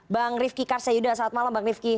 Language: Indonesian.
bang rifki karsa yaudah selamat malam bang rifki